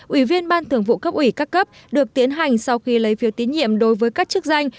ủy viên ban thường vụ cấp ủy các cấp được tiến hành sau khi lấy phiếu tín nhiệm đối với các chức danh